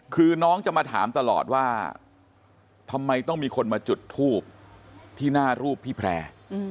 คือน้องจะมาถามตลอดว่าทำไมต้องมีคนมาจุดทูบที่หน้ารูปพี่แพร่